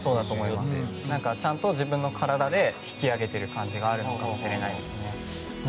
ちゃんと自分の体で引き上げている感じがあるのかもしれないですね。